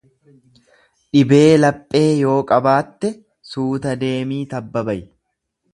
Dhibee laphee yoo qabaatte suuta deemii tabba bayi.